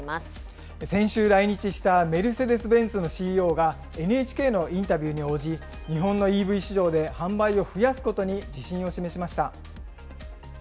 先週来日したメルセデス・ベンツのＣＥＯが、ＮＨＫのインタビューに応じ、日本のＥＶ市場で販売を増やすことに自信を示しました。